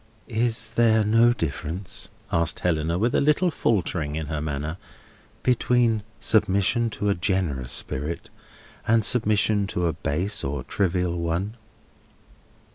"Is there no difference," asked Helena, with a little faltering in her manner; "between submission to a generous spirit, and submission to a base or trivial one?"